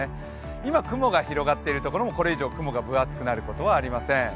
今、雲が広がっているところもこれ以上、雲が分厚くなることはありません。